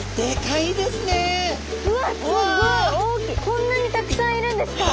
こんなにたくさんいるんですか？